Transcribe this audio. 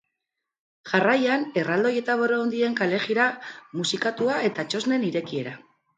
Jarraian, erraldoi eta buruhandien kalejira musikatua eta txosnen irekiera.